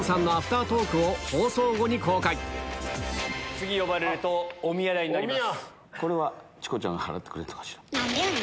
次呼ばれるとおみや代になります。